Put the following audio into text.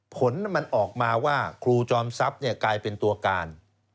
ผลมันออกมาว่าครูจอมทรัพย์กลายเป็นตัวการ